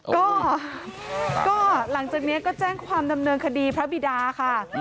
ก็หลังจากนี้ก็แจ้งความดำเนินคดีพระบิดาค่ะ